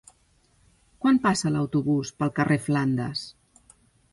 Quan passa l'autobús pel carrer Flandes?